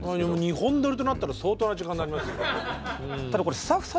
２本撮りとなったら相当な時間になりますよ。